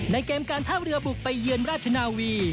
เกมการท่าเรือบุกไปเยือนราชนาวี